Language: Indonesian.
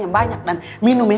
kayanya apa opa devin ngerti